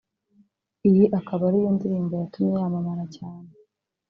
iyi akaba ari yo ndirimbo yatumye yamamara cyane